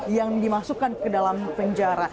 yang dimasukkan ke dalam penjara